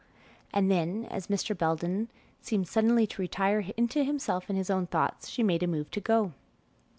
and then, as Mr. Belden seemed suddenly to retire into himself and his own thoughts, she made a move to go.